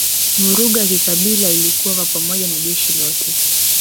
Vurugu ya kikabila ilikua kwa pamoja na jeshi lote